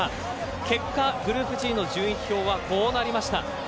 結果、グループＧの順位表はこうなりました。